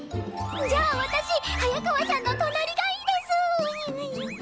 じゃあ私早川さんの隣がいいです！